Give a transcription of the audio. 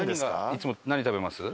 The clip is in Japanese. いつも何食べます？